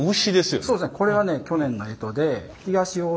そうですね。